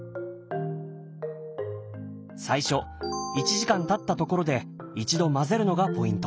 最初１時間たったところで一度混ぜるのがポイント。